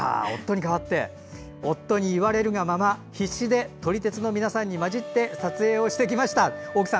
夫に言われるがまま必死で撮り鉄の皆さんに交じって撮影をしてきました。